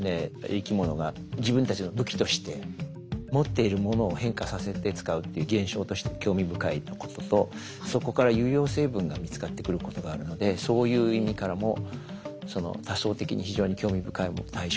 生き物が自分たちの武器として持っているものを変化させて使うっていう現象として興味深いこととそこから有用成分が見つかってくることがあるのでそういう意味からも多層的に非常に興味深い対象だと思って研究してます。